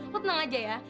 lo tenang aja ya